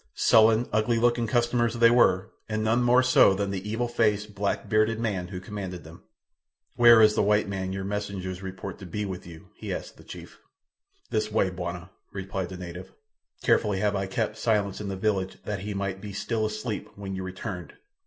Sullen, ugly looking customers they were, and none more so than the evil faced, black bearded man who commanded them. "Where is the white man your messengers report to be with you?" he asked of the chief. "This way, bwana," replied the native. "Carefully have I kept silence in the village that he might be still asleep when you returned.